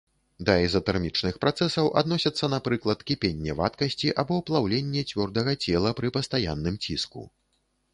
Да ізатэрмічных працэсаў адносяцца, напрыклад, кіпенне вадкасці або плаўленне цвёрдага цела пры пастаянным ціску.